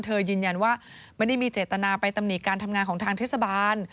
ยืนยันว่าไม่ได้มีเจตนาไปตำหนิการทำงานของทางเทศบาล